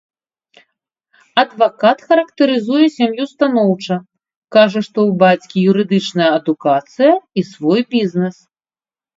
Адвакат характарызуе сям'ю станоўча, кажа, што ў бацькі юрыдычная адукацыя і свой бізнэс.